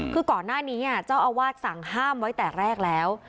คือก่อนหน้านี้เจ้าอาวาสสั่งห้ามไว้แต่แรกแล้ว